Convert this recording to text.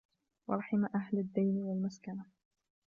وَرَحِمَ أَهْلَ الدَّيْنِ وَالْمَسْكَنَةِ